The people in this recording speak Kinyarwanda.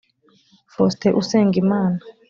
Faustin Usengimana